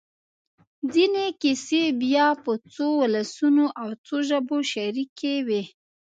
ځينې کیسې بیا په څو ولسونو او څو ژبو کې شریکې وي.